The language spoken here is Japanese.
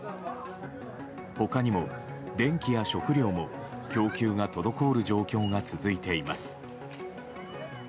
他にも、電気や食料も供給が滞る状況が続いています。